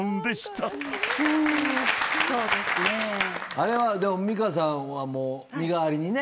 あれはでも美香さんはもう身代わりにね。